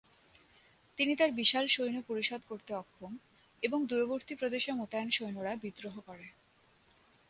তিনি তার বিশাল সৈন্য পরিশোধ করতে অক্ষম এবং দূরবর্তী প্রদেশে মোতায়েন সৈন্যরা বিদ্রোহ করে।